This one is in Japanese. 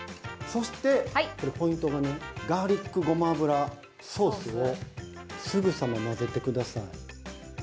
そして、ポイントがガーリックごま油ソースをすぐさま混ぜてください。